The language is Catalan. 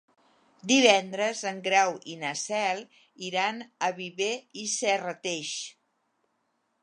Divendres en Grau i na Cel iran a Viver i Serrateix.